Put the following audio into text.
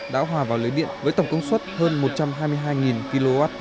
đã hòa vào lưới điện với tổng công suất hơn một trăm hai mươi hai kwh